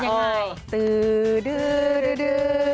ยังไง